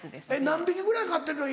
何匹ぐらい飼ってるの？